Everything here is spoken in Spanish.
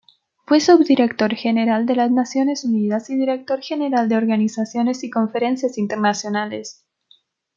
Fue Subdirector General de Naciones Unidas y Director General de Organizaciones y Conferencias Internacionales.